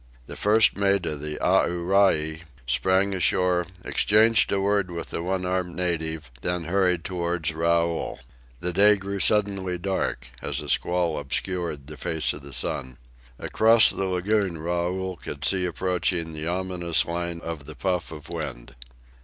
The first mate of the Aorai sprang ashore, exchanged a word with the one armed native, then hurried toward Raoul. The day grew suddenly dark, as a squall obscured the face of the sun. Across the lagoon Raoul could see approaching the ominous line of the puff of wind.